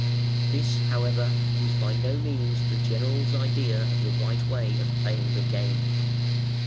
This, however, was by no means the general's idea of the right way of playing the game.